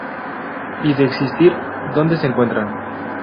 Y de existir, ¿dónde se encuentran?